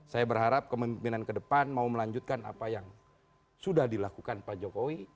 saya berharap kemimpinan ke depan mau melanjutkan apa yang sudah dilakukan pak jokowi